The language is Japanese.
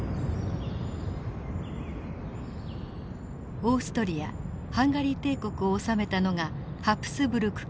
オーストリア＝ハンガリー帝国を治めたのがハプスブルク家。